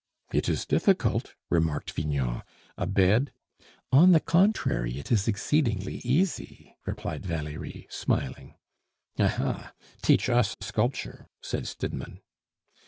"It is difficult," remarked Vignon. "A bed " "On the contrary, it is exceedingly easy," replied Valerie, smiling. "Ah ha! teach us sculpture!" said Stidmann.